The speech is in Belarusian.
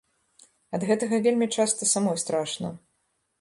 Ад гэтага вельмі часта самой страшна.